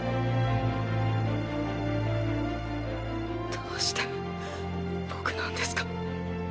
どうして僕なんですか？